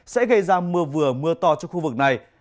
sẽ gây ra mưa vừa mưa to cho khu vực này